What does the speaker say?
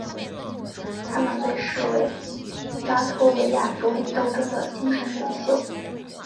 他们被视为拉脱维亚独立斗争的精神领袖。